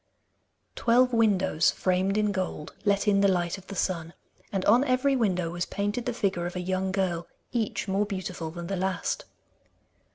Twelve windows framed in gold let in the light of the sun, and on every window was painted the figure of a young girl, each more beautiful than the last.